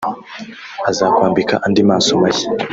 azakwambika andi maso mashya